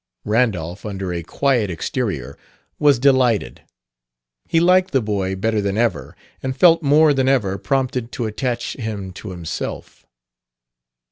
Randolph, under a quiet exterior, was delighted. He liked the boy better than ever, and felt more than ever prompted to attach him to himself.